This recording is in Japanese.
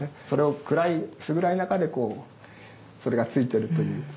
それを暗い薄暗い中でこうそれがついてるという。